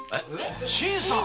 新さん！？